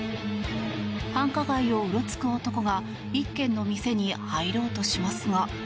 繁華街をうろつく男が１軒の店に入ろうとしますが。